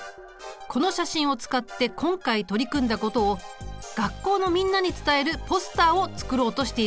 この写真を使って今回取り組んだことを学校のみんなに伝えるポスターを作ろうとしているんだ。